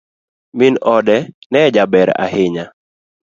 Min ode ne jaber ahinya.